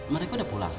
mereka udah pulang